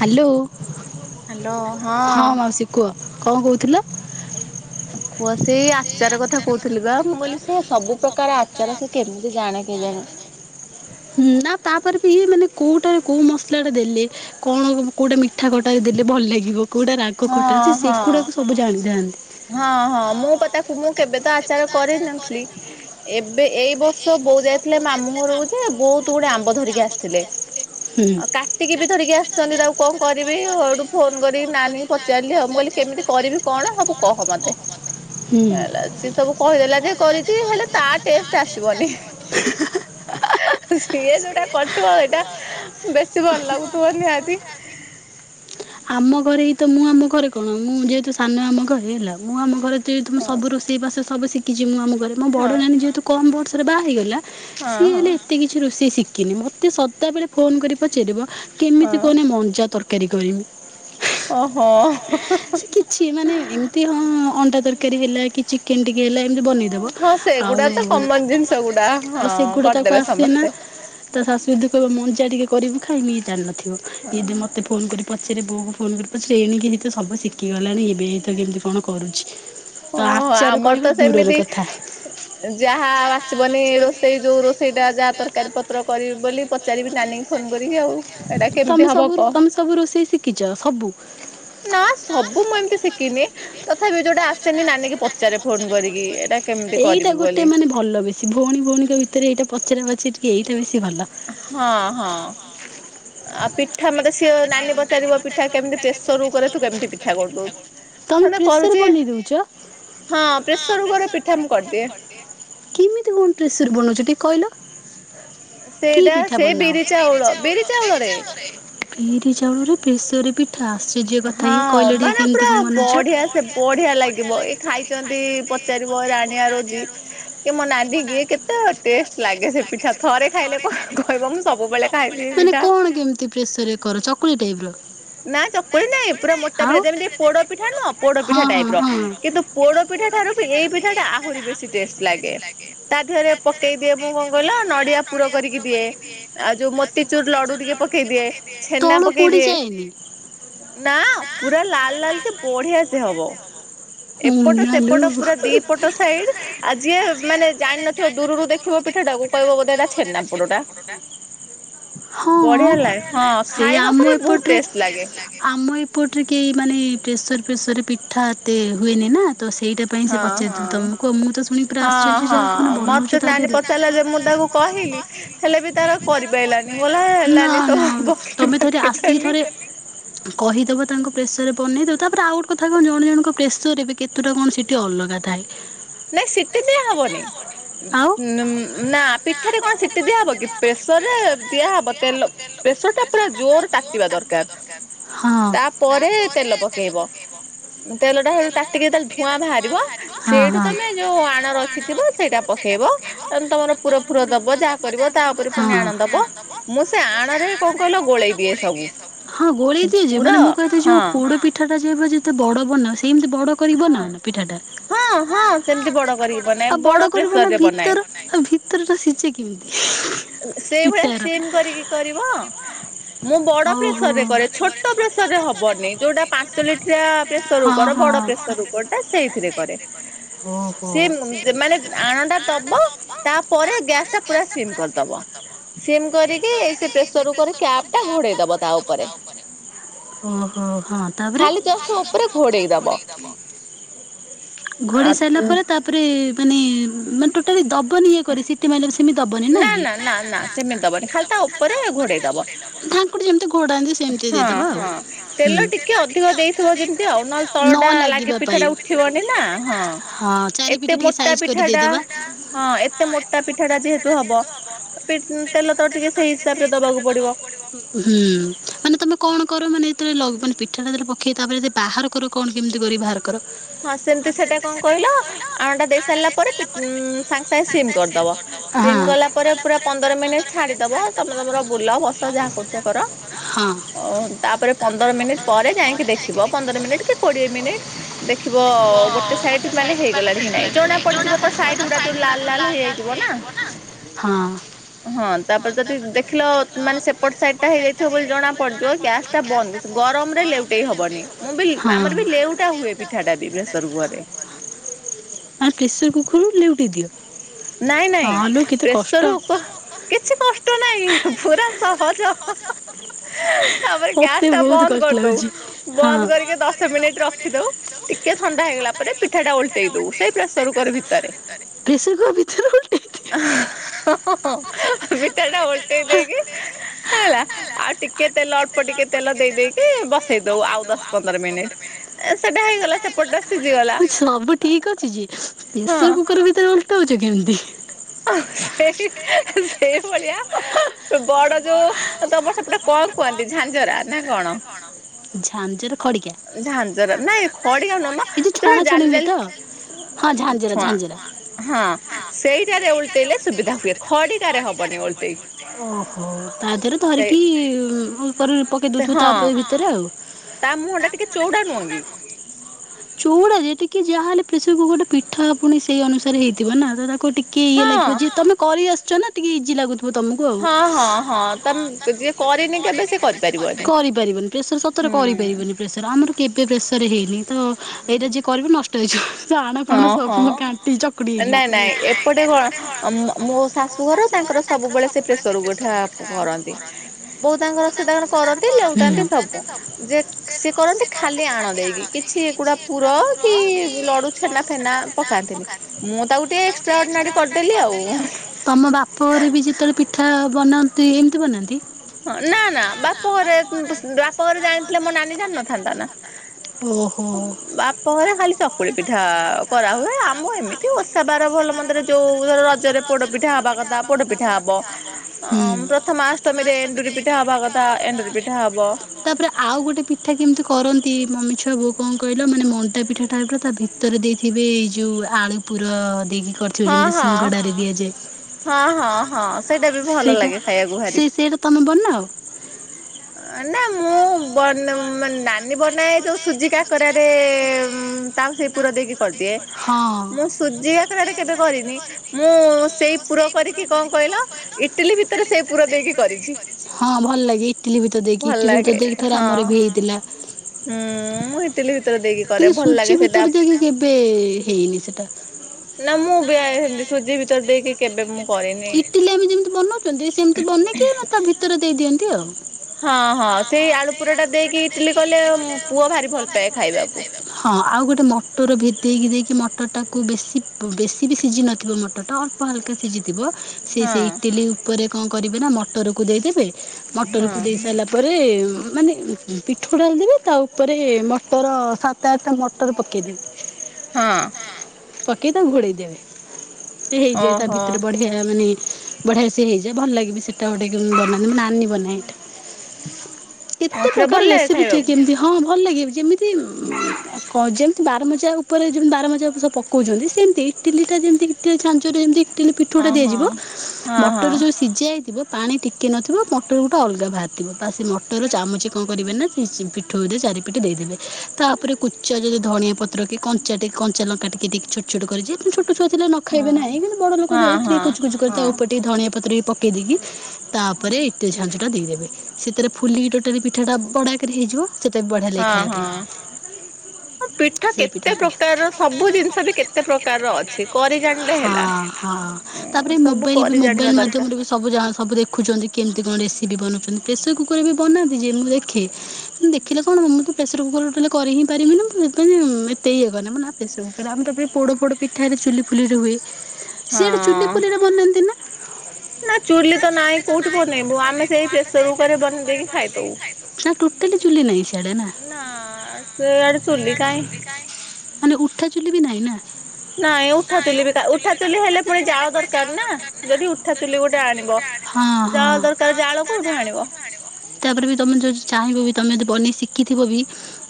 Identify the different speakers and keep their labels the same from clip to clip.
Speaker 1: Hello.
Speaker 2: Hello ହଁ।
Speaker 1: କୁହ କଣ କହୁଥିଲ?
Speaker 2: କୁଅ ସେଇ ଆଚାର କଥା କହୁଥିଲି ବା ମୁଁ କହିଲି ସେ ସବୁ ପ୍ରକାର ଆଚାର ସେ କେମିତି ଜାଣେ କେଜାଣି?
Speaker 1: ହୁଁ ନା ତାପରେ ବି ଇ ମାନେ କୋଉଟାରେ କୋଉ ମସଲାଟା ଦେଲେ। କଣ କୋଉଠେ ମିଠା କଟା ଦେଲେ ଭଲ ଲାଗିବ କୋଉଟା ରାଗ ଖଟା ଅଛି ସେଗୁଡାକ ସବୁ ଜାଣିଯାନ୍ତି।
Speaker 2: ହଁ ହଁ ମୁଁ ପା ତାକୁ ମୁଁ କେବେ ତ ଆଚାର କରିନଥିଲି। ଏବେ ଏଇ ବର୍ଷ ବୋଉ ଯାଇଥିଲେ ମାମୁଁ ଘରକୁ ଯେ ବହୁତ ଗୁଡେ ଆମ୍ବ ଧରିକି ଆସିଥିଲେ।
Speaker 1: ହୁଁ।
Speaker 2: ଆଉ କାଟିକି ବି ଧରିକି ଆସିଚନ୍ତି ତାକୁ କଣ କରିବି ହଉଠୁ ଫୋନ କରିକି ନାନୀକୁ ପଚାରିଲି ଆଉ କହିଲି କେମିତି କରିବି କଣ ସବୁ କହ ମତେ ହେଲା। ସିଏ ସବୁ କହିଦେଲା ଯେ କରିଚି ହେଲେ ତା ଟେଷ୍ଟ ଆସିବନି। ସିଏ ଯୋଉଟା କରିଥିବ ସେଇଟା ବେଶୀ ଭଲ ଲାଗୁଥିବ ନିହାତି।
Speaker 1: ଆମ ଘରେ ହେଇ ତ ମୁଁ ଆମ ଘରେ କଣ ମୁଁ ଯେହେତୁ ସାନ ଆମ ଘର ହେଲା ମୁଁ ଆମ ଘରେ ଜେତୁ ସବୁ ରୋଷେଇ ତେଇବାସ ସବୁ ଶିଖିଚି ମୁଁ ଆମ ଘରେ ମୋ ବଡ଼ ନାନୀ ଯେହେତୁ କମ୍ ବର୍ଷରେ ବାହା ହେଇଗଲା ସିଏ ହେଲେ ଏ ଏତେକିଛି ରୋଷେଇ ଶିଖିନି ମତେ ସଦାବେଳେ ଫୋନ କରି ପଚାରିବ କେମିତି କହ ମଞ୍ଜା ତର ତରକାରି କରିମି।
Speaker 2: ଅ ହ।
Speaker 1: ସିଏ ମାନେ ଏମିତି ହଁ ଅଣ୍ଡା ତରକାରୀ ହେଲା କି, ଚିକେନ ଟିକେ ହେଲା। ବନେଇଦବ ଆଉ ଆଉ ସେଗୁଡା ତାକୁ ଆସେନା। ଶାଶୁ ଯଦି କହିବ ମଞ୍ଜା ଟିକେ କରିବୁ ଖାଇମି, ଇଏ ଜାଣିନଥିବ ଇଏବି ମତେ ଫୋନ କରି ପଛରେ ବୋଉକୁ ଫୋନ କରି ପଚାରେ ଏଣିକିରି ତ ସବୁ ଶିଖିଗଲାଣି ଏବେ ତ କେମିତି କଣ କରୁଛି?
Speaker 2: ଓ ଆମର ତ ସେମିତି ଯାହା ଆସିବନି ରୋଷେଇ ଯୋଉ ରୋଷେଇଟା ଯାହା ତରକାରୀ ପତ୍ର କରିବି ବୋଲି ତ ପଚାରିବି ନାନୀଙ୍କୁ ଫୋନ କରିକି ଆଉ।
Speaker 1: ତମେ ସବୁ ତମେ ସବୁ ରୋଷେଇ ଶିଖିଛ ସବୁ।
Speaker 2: ନା ସବୁ ମୁଁ ଏମତି ଶିଖିନି ତଥାପି ଯୋଉଟା ଆସ୍ ସେନି ନାନୀ କି ପଚାରେ ଫୋନ କରିକି ଏଇଟା
Speaker 1: ଏଇଟା ଗୋଟେ ମାନେ ଭଲ ବେଶୀ ଭଉଣୀ ଭଉଣୀଙ୍କ ଭିତରେ ଏଇଟା ପଚରା ପଚାରି ଟିକେ ଏଇଟା ବେଶୀ ଭଲ।
Speaker 2: ହଁ ହଁ। ଆଉ ପିଠା ମତେ ସିଏ ନାନୀ ପଚାରିବ ପିଠା କେମିତି ପ୍ରେସରକୁକରେ ତୁ କେମିତି ପିଠା କରିଦଉଛୁ?
Speaker 1: ତୁମେ ପ୍ରେସର ବନେଇଦଉଛ।
Speaker 2: ହଁ ପ୍ରେସରକୁକରରେ
Speaker 1: କିମିତି କଣ ପ୍ରେସରେ ବନଉଚ ଟିକେ କହିଲ?
Speaker 2: ସେଇଟା ସେ ବିରି ଚାଉଳ ବିରି ଚାଉଳରେ।
Speaker 1: ବିରି ଚାଉଳରେ ପ୍ରେସରରେ ପିଠା ଆଶ୍ଚଯ୍ୟ କଥା ଇଏ କହିଲ ଟିକେ କେମିତି କଣ ବନେଇଛ?
Speaker 2: ବଢିଆ ଲାଗିବ ଏ ଖାଇଛନ୍ତି ପ ଚାରିବ ରାଣିଆ ରୋଜି କି ମୋ ନାନିକି କେତେ ଟେଷ୍ଟ ଲାଗେ ସେ ପିଠା? ଥରେ ଖାଇଲେ ପା କହିବ ମୁଁ ସବୁବେଳେ ଖାଇବି ଏ ପିଠା।
Speaker 1: ପ୍ରେସରେ କର ଚକୁଳି ଟାଇପର।
Speaker 2: ନା ଚକୁଳି ନାଇଁ ପୁରା ମୋଟା ପିଠା ଯେମିତି ପୋଡପିଠା ନ ପୋଡପିଠା ଟାଇପର କିନ୍ତୁ ପୋଡପିଠା ଠାରୁ ଏ ପିଠାଟା ଆହୁରି ବେଶୀ ଟେଷ୍ଟ ଲାଗେ ତା ଦେହରେ ପକେଇଦିଏ ମୁଁ କଣ କହିଲ ନଡିଆ। ପୁର କରିକି ଦିଏ ଆଉ ଯୋଉ ମୋତିଚୁର ଲଡୁ ଟିକେ ପକେଇ ଦିଏ ଛେନା ପକେଇ ଦିଏ। ନା ପୁରା ଲାଲ ଲାଲ କି ବଢିଆ ସେ ହବ ଏପଟ ସେପଟ ପୁରା ଦିପଟ ସାଇଡ ଆଉ ଯିଏ ମାନେ ଜାଣିିନଥିବ ଦୂରରୁ ଦେଖିବ ପିଠାଟାକୁ କହିବ ବୋଧେ ଏଟା ଛେନାପୋଡଟା?
Speaker 1: ହଁ ସେ ଆମ ଏପଟରେ
Speaker 2: ଲାଗେ।
Speaker 1: ଆମ ଏପଟରେ କେ ମାନେ ପ୍ରେସର ଫ୍ରେସରରେ ପିଠା ଏତେ ହୁଏନି ନା ତ ସେଇଟା ପାଇଁ ସେ ପଚାରଥିଲି ତମକୁ ମୁଁ ତ ଶୁଣିକି ପୁରା ଆଶ୍ଚର୍ଯ୍ୟ ଯାହା ମାନେ ବନଉଛ ତାଦେହରେ ନା ନା ତମେ ଥରେ ଆସିକି ଥରେ କହିଦବ ତାଙ୍କ ପ୍ରେସରରେ ବନେଇଦବ ତାପରେ ଆଉ ଗୋଟେ କଥା କଣ ଜଣେ ଜଣଙ୍କ ପ୍ରେସରରେ କେତେଟା କଣ ସିଟି ଅଲଗା ଥାଏ।
Speaker 2: ନାଇଁ ସିଟି ଦିଆହବନି ଉଁ ନା ପିଠାରେ କଣ ସିଟି ଦିଆହବ କି? ପ୍ରେସରରେ ଦିଆହବ ତେଲ ପ୍ରେସରଟା ପୁରା ଜୋର ତାତିିବା ଦରକାର। ତାପରେ ତେଲ ପକେଇବ ତେଲଟା ସେଇଠୁ ତାତିକି ଯେତେବେଳେ ଧୂଆଁ ବାହାରିବ
Speaker 1: ହଁ ହଁ।
Speaker 2: ତମେ ଯୋଉ ଆଣ ରଖିଥିବ ସେଇଟା ପକେଇବ ତମର ପୁର ଫୁର ଦବ ଯାହା
Speaker 1: ହଁ। ହଁ ଗୋଳେଇ ତ ଜିଏ ମାନେ ମୁଁ କହିବାକଥା ଯେ ଯୋଉ ପୋଡ଼ପିଠା ପିଠାଟା ଯେବେ ଯେତେବଡ ବନାଅ ସେମିତି ବଡ଼ କରି ବନାଅନା ପିଠାଟା।
Speaker 2: ହଁ ହଁ ସେମତି ବଡ କରିକି ବନାଏ ବଡ ପ୍ରେସରରେ ବନାଏ।
Speaker 1: ଆ ଭିତରଟା ସିଜେ କେମିତି?
Speaker 2: ଆ ସେଇ ଭଳିଆ ସିମ କରିକି କରିବ। ମୁଁ ବଡ ପ୍ରେସର ରେ କରେ ଛୋଟ ପ୍ରେସର ରେ ହବନି ଯୋଉଟା ପାଞ୍ଚ ଲିଟିରିଆ। ପ୍ରେସର କୁକର ବଡ ପ୍ରେସର କୁକର ଟା ସେଇଥିରେ କରେ। ସିମ୍ ଜା ମାନେ ଆଣ ଟା ଦବ ତାପରେ ଗ୍ୟାସ୍ ଟା ପୁରା ସିମ୍ କର
Speaker 1: କରିଦବ।
Speaker 2: ସିମ୍ କରିକି ଏ ସେ ପ୍ରେସର କୁକର୍ କ୍ୟାପ ଟା ଘୋଡେଇ ଦବ ତା ଉପରେ।
Speaker 1: ଓହୋ ହଁ ତାପରେ?
Speaker 2: ଜଷ୍ଟ ଓପରେ ଘୋଡେଇ ଦବ।
Speaker 1: ଘୋଡେଇ ସାରିଲା ପରେ ତାପରେ ମାନେ ଉଁ ମାନେ ଟୋଟାଲୀ ଦ ଦବନି ଇଏ କରି ସିଟି ମାଇଲା
Speaker 2: ନା ନା ନା ନା ସେମିତି ଦବନି ଖାଲି ତା ଓପରେ ଘୋଡେଇ ଦବ। ହଁ ହଁ ତେଲ ଟିକେ ଅଧିକ ଦେଇଥିବ ଯେମ ତି ଆଉ ନହେଲେ ତଳ ଟା ଲାଗେ ପି ପିଠା ଟା ଉଠିବନି ନା ହଁ ଏତେ ମୋଟା ପିଠା ଟା। ହଁ ଏତେ ମୋଟା ପିଠା ଟା ଯେହେତୁ ହବ ଅ ପି ଇଁ ତେଲ ତ ଟିକେ ସେଇ ହିସାବ ରେ ଦବାକୁ ପଡିବ।
Speaker 1: ହୁଁ ମାନେ ତମେ କଣ କର ମାନେ ଯେତେବେଳେ ଲଗ ମାନେ ପିଠା ଟା ଯେତେବେଳେ ପକେଇ ତାପରେ ବାହାର କର। କଣ କେମିତି କରି ବାହାର କର?
Speaker 2: ହଁ ସେମିତି ସେଟା କଣ କହିଲ ଆଣଟା ଦେଇ ସାରିଲା ପରେ ପି ଇଁ ସାଙ୍ଗେ ସାଙ୍ଗେ ସିମ କରିଦବ। ସିମ୍ କଲା ପରେ ପୁରା ପନ୍ଦର ମିନିଟ ଛାଡିଦବ ତମେ ତମର ବୁଲ ବସ ଯାହା କରୁଛ କର। ଓ ତାପରେ ପନ୍ଦର ମିନିଟ୍ ପରେ ଯାଇଁକି ଦେଖିବ ପନ୍ଦର ମିନିଟ୍ କି କୋଡିଏ ମିନିଟ୍। ଦେଖିବ ଗୋଟେ ସାଇଡ୍ ମାନେ ହେଇଗଲାଣି କି ନାଇଁ ଜଣା ପଡିଯିବ ତା ସାଇଡ ଗୁଡା ଯୋଉ ଲାଲ ଲାଲ ହେଇଯାଇଥିବ ନା।
Speaker 1: ହଁ।
Speaker 2: ହଁ ତାପରେ ଯଦି ଦେଖିଲ। ମାନେ ସେପଟ ସାଇଡ ଟା ହେଇଯାଇଥିବ ବୋଲି ଜଣା ପଡିଯିବ ଗ୍ୟାସ୍ ଟା ବନ୍ଦ [unintelligible] ଗରମରେ ଲଉଟେଇ ହବନି। ମୁଁ ବି ଲ ଆମର ବି ଲେଉଟା ହୁଏ ପିଠାଟା ବି ପ୍ରେସର କୁକର ରେ।
Speaker 1: ଆଉ ପ୍ରେସର କୁକର କୁ ଲେଉଟେଇ ଦିଅ।
Speaker 2: ନାଇଁ ନାଇଁ ପ୍ରେସର କୁକ କିଛି କଷ୍ଟ ନାଇଁ ପୁରା ସହଜ। ହଁ ହଁ ତାପରେ ଗ୍ୟାସ୍ ଟା ବନ୍ଦ କରିଦଉ ବନ୍ଦ କରିକି ଦଶ ମିନିଟ ର ରଖି ଦଉ ଟିକେ ଥଣ୍ଡା ହେଇଗଲା ପରେ ପିଠା ଟା ଓଲଟେଇ ଦଉ ସେଇ ପ୍ରେସର କୁକର ଭିତରେ।
Speaker 1: ପ୍ରେସର୍ କୁକର୍ ଭିତରେ ଓଲଟେଇ
Speaker 2: ଆ ହଁ।
Speaker 1: ହଁ ହଁ ହଁ ପିଠା ଟା ଓଲଟେଇ ଦେଇକି ହେଲା ଆଉ ଟିକେ ତେଲ ଅ ଅଳ୍ପ ଟିକେ ତେଲ ଦେଇ ଦେଇକି ବସେଇ ଦଉ ଆଉ ଦଶ ପନ୍ଦର ମିନିଟ ଏଁ ସେଟା ହେଇଗଲା ସେପଟ ଟା। ଠିକ ଅଛି ଯେ ପ୍ରେସର କୁକର ଭିତରେ ଓଲଟଉଚ କେମିତି?
Speaker 2: ଓ ସେଇ ହାଁ ସେ ଏଇଭଳିଆ ବଡ ଯୋଉ ତମର ସେପଟେ କଣ କୁହନ୍ତି ଝାଞ୍ଝରା ନା କଣ?
Speaker 1: ଝାଞ୍ଝରା ଖଡିକା ଏ ଯୋଉ ଛଣା ଛଣି ହୁଏ ତ। ହଁ ଝାଞ୍ଝରା ଝାଞ୍ଝରା।
Speaker 2: ହଁ ସେଇଟାରେ ଉଲଟେଇଲେ ସୁବିଧା ହୁଏ ଖଡି
Speaker 1: ଓହୋ ତା ଦେହରେ ଧରିକି ଉଁ ଉ ପଲ ପକେଇ ଦଉଥିବୁ ତାପ ଭିତରେ ଆଉ।
Speaker 2: ତା ମୁହ ଟା ଟିକେ ଚଉଡା ନୁହଁ କି।
Speaker 1: ଚଉଡା ଯେ ଟିକେ ଯାହାହେଲେ ପ୍ରେସର କୁକର ଟା ପିଠା ପୁଣି ସେଇ ଅନୁସାରେ ହେଇଥିବ ନା ତ ତାକୁ ଟି କେ ଇଏ ଲାଗିବ ଯିଏ ତମେ କରି ଆସୁଛ ନା ଟିକେ ଇଜି ଲାଗୁଥିବ ତମକୁ ଆଉ।
Speaker 2: ହଁ ହଁ ହଁ ତମ ଯିଏ କରିନି କେବେ ସିଏ କରିପାରି
Speaker 1: କରିପାରିବନି ପ୍ରେସର ସ ତର କରିପାରିବନି ପ୍ରେସର ଆମର କେବେ ପ୍ରେସରରେ ହେଇନି ତ ଏଇଟା ଯିଏ କରିବ ନ ଟ ହେଇଯ ସେ ଆଣ ଫାଣ ସବୁ ଘାଣ୍ଟି ଚକୁଡି ହେଇଯିବ।
Speaker 2: ମୋ ଶାଶୁଘର ତାଙ୍କର ସବୁବେଳେ ସେ ପ୍ରେସର କୁକର ଠା ପୁ କରନ୍ତି। ବୋଉ ତାଙ୍କର ସିଏ ତାଙ୍କର କରନ୍ତି ଲେଉଟାନ୍ତି ସବୁ ଯେ ସିଏ କରନ୍ତି ଖାଲି ଆଣ ଦେଇକି। କିଛି ଏଗୁଡା ପୁର କି ବ ଲଡୁ। ଛେନା ଫେନା ପକାନ୍ତିନି ମୁଁ ତାକୁ ଟିକେ ଏକ୍ସଟ୍ରା ଅଡ଼ନାଡି କରିଦେଲି ଆଉ। ହୁଁ
Speaker 1: ତମ ବାପ ଘରେ ବି ଯେତେବେଳେ ପିଠା ବନାନ୍ତି ଏମିତି ବନାନ୍ତି?
Speaker 2: ହଁ ନା ନା ବାପ ଘରେ ଉଁ ବସ ବାପଘରେ ଜାଣିଥିଲେ ମୋ ନାନୀ ଜାଣିନଥାନ୍ତା ନା। ହୁଁ। ବାପ ଘରେ ଖାଲି ଚକୁଳି ପିଠା କରାହୁଏ ଆମ ଏମିତି ଓଷା ବାର ଭଲ ମନ୍ଦରେ ଯୋଉ ଧର ରଜରେ ପୋଡପିଠା ହବା କଥା ପୋଡପିଠା ହବ ଉଁ ପ୍ରଥମା ଅଷ୍ଟମୀରେ ଏଣ୍ଡୁରି ପିଠା ହବା କଥା ଏଣ୍ଡୁରରି ପିଠା ହବ।
Speaker 1: ତାପରେ ଆଉ ଗୋଟେ ପିଠା କେମିତି କରନ୍ତି ମମି ଛୁଆ ବୋଉ କଣ କହିଲ ମାନେ ମଣ୍ଟା ପିଠା ଟାଇପର ତା ଭିତରେ ଦେଇଥିବେ ଏଇ ଯୋଉ ଆଳୁ ପୁର ଦେଇକି ତୁ ଯେମତି ସିଙ୍ଗଡାରେ ଦିଆଯାଏ ସେଇଟା ସେ ସେ ତମେ ବନାଅ?
Speaker 2: ନା ମୁଁ ବନ୍ ମାନେ ନାନୀ ବନାଏ ଯୋଉ ସୁଜି କାକରାରେ ଉଁ ତାକୁ ସେଇ ପୁର ଦେଇକି କରିଦିଏ। ମୁଁ ସୁଜି କାକରାଟା କେବେ କରିନି ମୁଁ ସେଇ ପୁର କରିକି କଣ କହିଲ ଇଟ୍ ଇଟିଲି ଭିତରେ ସେ ପୁର ଦେଇକି କରିଛି।
Speaker 1: ହଁ ଭଲ ଲାଗେ ଇଟିଲି ଭିତର ଦେଇକି ଇଟିଲି ଭିତର ଦେଇକି ଥରେ ଆମର ବି ହେଇଥିଲା।
Speaker 2: ହୁଁ ମୁଁ ଟିଲି ଭିତରେ ଦେଇ
Speaker 1: ବି ସୁଜି ଭିତରେ ଦେଇକି କେବେ ହେଇନି ସେଟା।
Speaker 2: ନା ମୁଁ ବି ଆ ସେମିତି ସୁଜି ଭିତରେ ଦେଇକି କେବେ ମୁଁ
Speaker 1: ଇଟିଲି ଆମେ ଯେମିତି ବନଉଛନ୍ତି ସେମିତି ବନେଇକି ମାନେ ତା ଭିତରେ ଦେଇ ଦିଅନ୍ତି ଆଉ।
Speaker 2: ହଁ ହଁ ସେଇ ଆଳୁ ପୁରଟା ଦେଇକି ଇଟିଲି କଲେ ମ ପୁଅ ଭାରି ଭଲ ପାଏ ଖାଇବାକୁ।
Speaker 1: ହଁ ଆଉ ଗୋଟେ ମଟର ଭିଦେଇ ଦେଇକି ଦେଇକି ମଟରଟାକୁ ବେଶୀ ବେଶୀ ବି ସିଝିନଥିବ ମଟରଟା ଅ ଳ୍ପ ହଲକା ସିଯି ଥିବ ସେ ଇଟିଲି ଉପରେ କଣ କରିବେ ନା ମଟରକୁ ଦେଇଦେବେ ମଟରକୁ ଦେଇସାରିଲା ପ ଉପରେ ମାନେ ପିଠଉ ଢାଳିଦବେ ତା ଉପରେ ମଟର ସାତ ଆଠଟା ମଟର ପକେଇଦେବେ।
Speaker 2: ହଁ।
Speaker 1: ପକେଇ ତାକୁ ଘୋଡେଇ ଦେବେ ସେ ହେଇଯାଏ ତା ଭିତରେ। ବଢ଼ିଆ ମାନେ ବଢିଆ ସେ ହେଇଯାଏ ଭଲ ଲାଗେ ବି ସେଟା ଗୋଟେ କେମ୍ ବନାନ୍ତି ମୋ ନାନି ବନାଏ ଏଇଟା। କେତେ ପ୍ରକାର ରେସିପି କିଏ କେମିତିଆ ହଁ ଭଲ ଲାଗେ ବି ଯେମିତି କ ଯେମିତି ବାରମଜା ଉପରେ ଯେମତି ବାରମଜା ଉପରେ ସବୁ ପକଉଛନ୍ତି ସେମିତି। ଇଟିଲିଟା ଯେମିତିି ଇଟିଲି ଛାଞ୍ଚରେ ଯେମତିି ଇଟିଲୀ ପିଠଉଟା ଦିଆଯିବ ମଟର ଯୋଉ ସ ସିଝା ହେଇଥିବ ପାଣି ଟିକେ ନଥିବ ମଟର ଗୋଟେ ଅଲଗା ବାହାରିଥିବ ତା ସେ ମଟର ଚାମଚେ କଣ କରିବେ ନା ସେ ବିଟ୍ ପିଠଉ ସେ ଚାରିପିଟ ଦେଇଦେବେ ତାପରେ କୁଚା ଯଦି ଧନିଆ ପତ୍ର କି କଞ୍ଚା ଟେ କଞ୍ଚା ଲଙ୍କା ଟିକି ଟିକ ଛୋଟ ଛୋଟ କରି ଯେହେତୁ ଛୋଟ ଛୁଆ ଥିଲେ ନ ଖାଇବେ ନାହିଁ କିନ୍ତୁ ବଡ ଲୋକ ଯେ କୁଚ କୁଚ କରି ତା ଉପରେ ଦେଇ ଧଣିଆ ପତ୍ର ବି ପକେଇ ଦେଇକି ତାପରେ ଇଟିଲ ଛାଞ୍ଚଟା ଦେଇଦେବେ। ସେଥିରେ ଫୁଲିକି ଟୋଟାଲି ପିଠାଟା ବଡ଼ ଆକାର ହେଇଯିବ। ଲେ ଖାଇବା ପାଇଁ।
Speaker 2: ହ ପିଠା କେତେ ପ୍ରକାରର ସବୁ ଜିନିଷ ବି କେତେ ପ୍ରକାରର ଅଛି କରି ଜାଣିଲେ ହେଲା।
Speaker 1: ହଁ ତାପରେ ମୋବାଇଲ ବି ମୋବାଇଲ ମାଧ୍ୟମରେ ବି ସବୁ ଜାଣ ସବୁ ଦେଖୁଛନ୍ତି କେମିତି କଣ ରେସିପି ବନଉଛନ୍ତି ପ୍ରେସର କୁକର୍ ରେ ବି ବନାନ୍ତି ଯେ ମୁଁ ଦେଖେ। ଦେଖିଲେ କଣ ହବ ମୁଁ ତ ପ୍ରେସର କୁକର୍ ରେ ଟୋଟାଲି କରି ହିଁ ପାରିବିନି ସେଇଥିପାଇଁ ମ ଏତେ ଇଏ କରେ ନା ହଁ ପ୍ରେସର କୁକ [unintelligible] ବି ପୋଡ ପୋଡ ପିଠାରେ ଚୁଲି ଫୁଲିରେ ହୁଏ ସିଆଡ଼େ ଚୁଲି ଫୁଲିରେ ବନାନ୍ତି ନା?
Speaker 2: ନା ଚୁଲି ତ ନାହିଁ କୋଉଠି ବନେଇବୁ ଆମେ ସେଇ ପ୍ରେସର କୁକରରେ ବନେଇ ଦେଇକି ଖାଇଦଉ। ନା ସିଆଡେ ଚୁଲି କାହିଁ?
Speaker 1: ମାନେ ଉଠା ଚୁଲି ବି ନାହିଁ ନା?
Speaker 2: ନାଇଁ ଉଠା ଚୁଲି ବି କା ଉ ଉଠା ଚୁଲି ହେଲେ ପୁଣି ଯାଳ ଦରକାର ନା ଯଦି ଉଠା ଚୁଲି ଗୋଟେ ଆଣିବ ଯାହା ଦରକ କାର ଜାଳ କୋଉଠୁ ଆଣିବ?
Speaker 1: ତାପରେ ବି ତମେ ଯଦି ଚାହିଁବ ବି ତମେ ଯଦି ବନେଇ ଶିଖିଥିବ ବି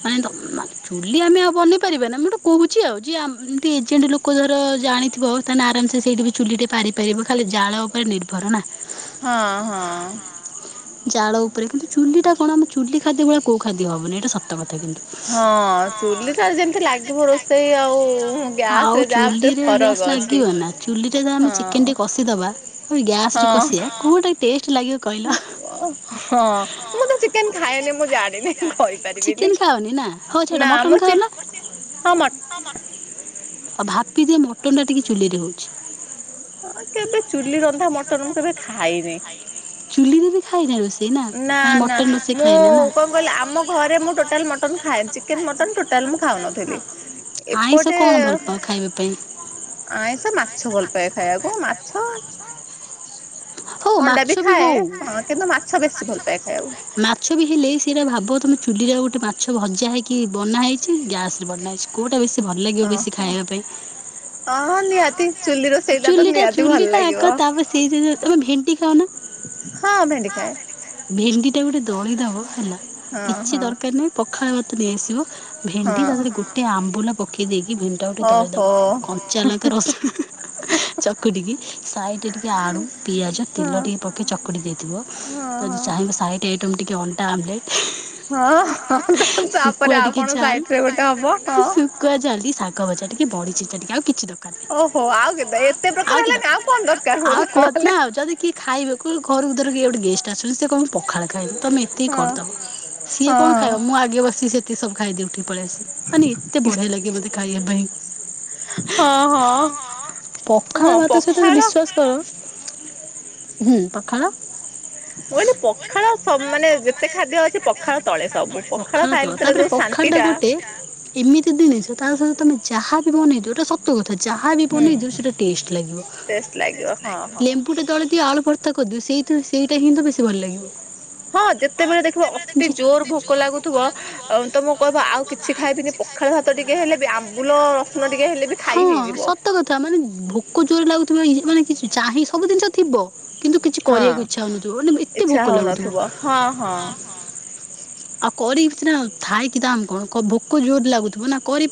Speaker 1: ମାନେ ତମ୍ ଚୁଲି ଆମେ ଆଉ ବନେଇ ପାରିବା ନା ମୁଁ ଗୋଟେ କହୁଛି ଆଉ ଯେ ଏମତି ଏଜେଡ୍ ଲୋକ ଧର ଜାଣିଥିବ ତାହେଲେ ଆରାମସେ ସେଇଠି ବି ଚୁଲିଟେ ପାରିପାରିବ ଖାଲି ଜାଳ ଉପରେ ନିର୍ଭର ନା ହ ହ ଜାଳ ଉପରେ କିନ୍ତୁ ଚୁଲି ଟା କଣ ଆମ ଚୁଲି ଖାଦ୍ୟ ଭଳିଆ କଉ ଖାଦ୍ୟ ହବନି ଏଇଟା ସତ କଥା କିନ୍ତୁ।
Speaker 2: ହଁ ଚୁଲିଟାରେ ଯେମିତି ଲାଗିବ ରୋଷେଇ ଆଉ ଗ୍ୟାସ ରେ
Speaker 1: ଚୁଲିରେ ଗ୍ୟାସ୍ ଲାଗିବ ନା। ଚୁଲି ଟା ଯାହା ଆମେ ଚିକେନ ଟେ କଷିଦବା ଗ୍ୟାସ ରେ କଷିବା କୋଉ ଟା ଟେଷ୍ଟ ଲାଗିବ? କହିଲ ଚିକେନ ଖାଅନି ନା? ହଉ ଛାଡ଼ ମଟନ୍ ଖାଅନା?
Speaker 2: ହଁ
Speaker 1: ଆଉ ଭାପିଦି ମଟନ ଟା ଟିକେ ଚୁଲିରେ ହଉଛି।
Speaker 2: ହଁ କେବେ ଚୁଲି ରନ୍ଧା ମଟନ ମୁଁ କେବେ ଖାଇନି?
Speaker 1: ଚୁଲିରେ ବି ଖାଇନ ରୋଷେଇ ନା ମାନେ ମଟନ
Speaker 2: ମୁଁ କଣ କହିଲି ଆମ ଘରେ ମୁଁ ଟୋଟାଲ ମଟନ ଖାଏ ଚିକେନ ମଟନ ଟୋଟାଲ ମୁଁ ଖାଉନଥିଲି ଏପଟେ ଆ ଏସ ମାଛ ଭଲ ପାଏ ଖାଇବାକୁ ମାଛ ଅଣ୍ଡା ବି ଖାଏ ହଁ କିନ୍ତୁ ମାଛ ବେଶୀ ଭଲ ପାଏ ଖାଏ ଆଉ
Speaker 1: ମାଛ ବି ହେଲେ ସେଟା ଭାବ ତମେ ଚୁଲିରେ ଗୋଟେ ମାଛ ଭଜା ହେଇକି ବନା ହେଇଛି ଗ୍ୟାସ ରେ ବନା ହେଇଛି। କୋଉଟା ବେଶୀ ଭଲ ଲାଗିବ ବେଶୀ ଖାଇବା ପାଇଁ
Speaker 2: ହ ହଁ ନିହାତି
Speaker 1: ଚୁ୍ଲି ଟା ଚୁଲି ଟା ଏକ ତାପ ସେଇ ତମେ ଭେଣ୍ଟି ଖାଅ ନା?
Speaker 2: ହଁ ଭେଣ୍ଡି ଖାଏ।
Speaker 1: ଭେଣ୍ଡି ଟା ଗୋଟେ ଦଳିଦବ ହେଲା କିଛି ଦରକାର ନାହିଁ ପଖାଳ ଭାତ ନେଇଆସିବ ଭେଣ୍ଡି ତା ଦେହରେ ଗୋଟେ ଆମ୍ବୁଲ ପକେଇ ଦେଇକି ଭେଣ୍ଡି ଟା ଗୋଟେ ତଳିଦବ କଞ୍ଚା ଲଙ୍କା ରସୁ
Speaker 2: ହ [unintelligible]
Speaker 1: ଚକୁଟିକି ସାଇଡରେ ଟିକେ ଆଳୁ ପିଆଜ ତେଲ ଟିକେ ପକେଇ ଚକୁଟି ଦେଇଥିବ ଯଦି ସାଇଟ ରେ ଟିକେ ଅଣ୍ଡା ଆମ୍ଲେଟ୍
Speaker 2: ହଁ ହଁ ତାପରେ ଆଉ କଣ ସାଇଟ ରେ ଗୋଟେ ହବ ହଁ
Speaker 1: କୁୁଆଜଲ୍ଦି ଶାଗଭଜା ଟିକେ ବଢି ଛିଚା ଟିକେ ଆଉ କିଛି ଦ ଆଉ କି ଦରକାର ଆଉ କନା ଉଛନ୍ତି। କି ଖାଇବେ କ ଘରକୁ ଧର କି ଗୋଟେ ଗେଷ୍ଟ ଆସୁ ସେ କ ମୁ ପଖାଳ ଖାଇବ ତମେ ଏତକି କରିଦବ ସିଏ କଣ ଖାଇବା ମୁଁ ଆଗେ ବସି ସେତି ସବୁ ଖାଇଦଉ ଠି ପଳେଇ ଆସ ମାନେ ଏତେ ବଢିଆ ଲାଗେ ମତେ ଖାଇବା ପାଇଁ ହଁ ହଁ ପଖାଳ ଭାତ ସହିତ ବିଶ୍ଵାସ କର। ହୁଁ ପଖାଳ
Speaker 2: ମୁଁ କହିଲେ ପଖାଳ ସ ମାନେ ଯେତେ ଖାଦ୍ୟ ଅଛି ପ ଖାଳ ତଳେ ସବୁ ପଖାଳ ଖାଇଲେ ଦେଲେ ଯେଉଁ ଶାନ୍ତିଟା
Speaker 1: ଏମିତି ଦିନଛ ତା ସହିତ ତମେ ଯାହା ବି ବନ ଦିଅ ଗଟ ସ୍ ତୁ କଥା ଯାହା ବି ବନେଇଦିଅ ସେଟା ଟେଷ୍ଟ ଲାଗିବ ଲେମ୍ବୁ ଟା ତଳେ ଦିଅ ଆଳୁ ପୋ ତାକୁ ଦୂ ସେଇ ସେଇଟା ହିଁ ତ ବେଶୀ ଭଲ ଲାଗିବ
Speaker 2: ହଁ ଯେତେବେଳେ ଦେଖିବ ଅ ତି ଜୋର ଭୋକ ଲାଗୁଥିବ ତ ମୁଁ କହିବ ଆଉ କିଛି ଖାଇବିନି ପଖାଳ ଭାତ ଟିକେ ହେଲେ ବି ଆମ୍ବୁଲ ର ଶୁଣ ଟିକେ ହେଲେ ବି ଖାଇ ହେଇଯିବ
Speaker 1: ସତ କଥା ମାନେ ଭୋକ ଜୋରରେ ଲାଗୁଥିବା ମାନେ କିଛି ଚାହିଁ ସବୁ ଜିନିଷ ଥିବ କିନ୍ତୁ କିଛି କରିବାକୁ ଇଚ୍ଛା ହଉନଥିବ ଓଲେ ଏତେ ଭୋକ ଲାଗୁଥିବ
Speaker 2: ହଁ ହଁ
Speaker 1: ଆଉ କରିକିସି ନା ଥାଇକି ତମେ କଣ ଭୋକ ଜୋର ଲାଗୁଥିବ ନା କରି ପା